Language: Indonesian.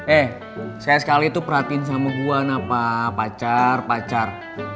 eh sekali sekali itu perhatiin sama gue apa pacar pacar